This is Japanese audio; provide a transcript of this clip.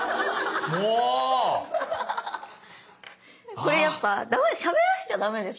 これやっぱしゃべらしちゃダメですよ。